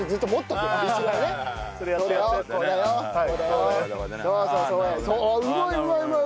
おおうまいうまいうまい！